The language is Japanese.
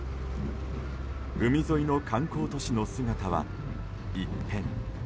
海沿いの観光都市の姿は一変。